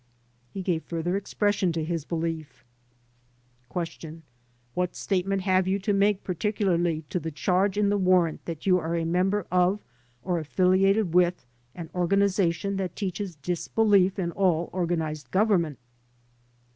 He gave further expression to his belief : Q. "What statement have you to make particularly to the charge in the warrant that you are a member of or affiliated with an organization that teaches disbelief in all organized government?